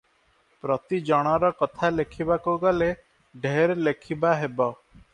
ପ୍ରତି ଜଣର କଥା ଲେଖିବାକୁ ଗଲେ ଢେର ଲେଖିବା ହେବ ।